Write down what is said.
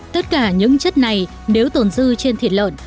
tất cả những chất này nếu tồn dư trên thịt lợn